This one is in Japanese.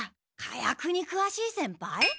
火薬にくわしい先輩？